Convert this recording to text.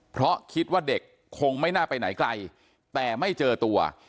เพราะคิดว่าเด็กคงไม่น่าไปไหนไกลแต่ไม่เจอตัว